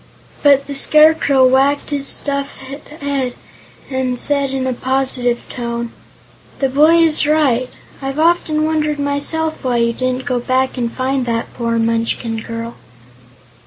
But the Scarecrow wagged his stuffed head and said in a positive tone: "This boy is right. I've often wondered, myself, why you didn't go back and find that poor Munchkin girl."